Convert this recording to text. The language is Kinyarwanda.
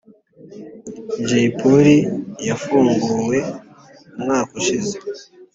jay polly yafunguwe umwaka ushize